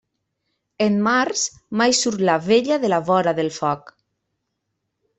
En març, mai surt la vella de la vora del foc.